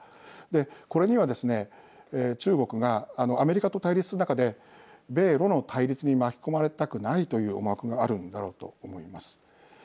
これにはですね中国がアメリカと対立する中で米ロの対立に巻き込まれたくないという思惑があるんだろうと思います。